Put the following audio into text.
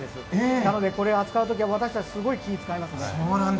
なので、これを扱うときは私たち、すごい気を遣います。